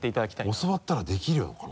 教わったらできるのかな？